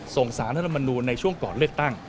สารรัฐมนูลในช่วงก่อนเลือกตั้ง